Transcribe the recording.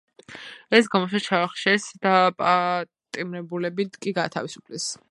ეს გამოსვლა ჩაახშეს, დაპატიმრებულები კი გაათავისუფლეს.